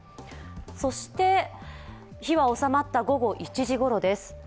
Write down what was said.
そして火は収まった午後１時ごろです。